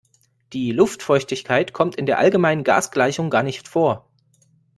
Die Luftfeuchtigkeit kommt in der allgemeinen Gasgleichung gar nicht vor.